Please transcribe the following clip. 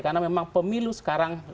karena memang pemilu sekarang